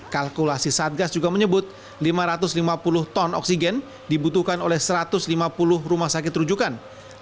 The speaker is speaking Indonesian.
kalkulasi satgas juga menyebut lima ratus lima puluh ton oksigen dibutuhkan oleh satu ratus lima puluh rumah sakit rujukan